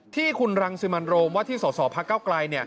ที่คุณรังสิมันโรมว่าที่สสพระเก้าไกล